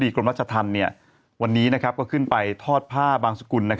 กรมรัชธรรมวันนี้ก็ขึ้นไปทอดผ้าบางสกุล